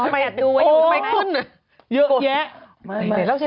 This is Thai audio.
อ๋อมาอยากดูไว้อยู่ทำไมคุณ